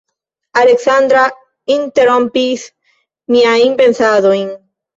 Aleksandra interrompis miajn pensadojn.